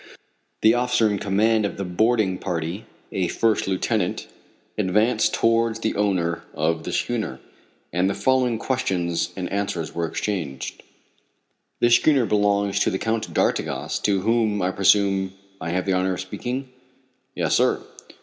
The officer in command of the boarding party a first lieutenant advanced towards the owner of the schooner, and the following questions and answers were exchanged: "This schooner belongs to the Count d'Artigas, to whom, I presume, I have the honor of speaking?" "Yes, sir."